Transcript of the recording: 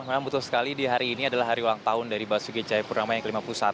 memang betul sekali di hari ini adalah hari ulang tahun dari basuki cahayapurnama yang ke lima puluh satu